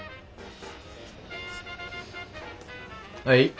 はい。